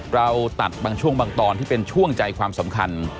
เราตัดบางช่วงบางตอนที่เป็นช่วงใจความสำคัญ